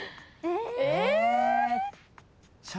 えっ！？